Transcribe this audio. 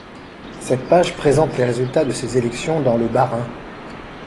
Cette page présente les résultats de ces élections dans le Bas-Rhin.